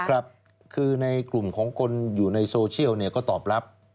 ครับคือในกลุ่มของคนอยู่ในโซเชียลก็ตอบรับ